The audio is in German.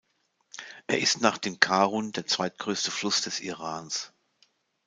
Er ist nach dem Karun der zweitgrößte Fluss des Irans.